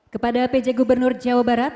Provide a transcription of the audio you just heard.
kepada pj gubernur jawa barat